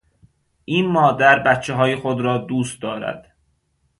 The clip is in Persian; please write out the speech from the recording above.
این مادر بچههای خود را دوست دارد.